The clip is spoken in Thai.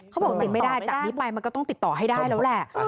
เขาบอกปิดไม่ได้จากนี้ไปมันก็ต้องติดต่อให้ได้แล้วแหละ